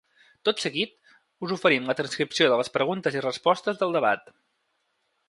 Tot seguit us oferim la transcripció de les preguntes i respostes del debat.